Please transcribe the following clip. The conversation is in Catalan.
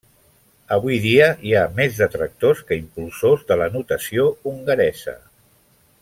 Avui dia hi ha més detractors que impulsors de la notació hongaresa.